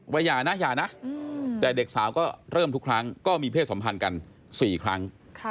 อย่านะอย่านะแต่เด็กสาวก็เริ่มทุกครั้งก็มีเพศสัมพันธ์กัน๔ครั้ง